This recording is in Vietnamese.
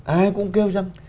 ai cũng kêu rằng